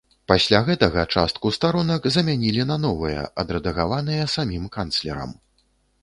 Пасля гэтага частку старонак замянілі на новыя, адрэдагаваныя самім канцлерам.